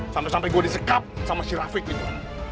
sampai sampai gua disekap sama si rafiq itu